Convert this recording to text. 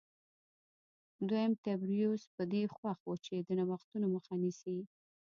دویم تبریوس په دې خوښ و چې د نوښتونو مخه نیسي